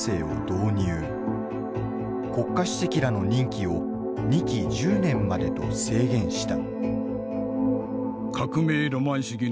国家主席らの任期を２期１０年までと制限した。